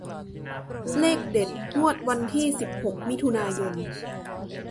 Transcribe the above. เลขเด็ดงวดวันที่สิบหกมิถุนายน